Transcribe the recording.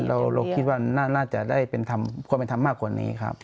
เราคิดว่าน่าจะได้เป็นความเป็นธรรมมากกว่านี้ครับ